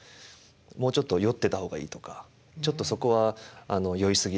「もうちょっと酔ってた方がいい」とか「ちょっとそこは酔い過ぎだ」とか。